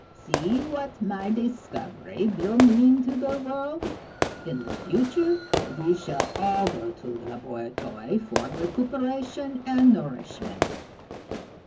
"See what my discovery will mean to the world! In the future we shall all go to the laboratory for recuperation and nourishment.